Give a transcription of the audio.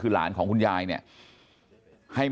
คือผู้ตายคือวู้ไม่ได้ยิน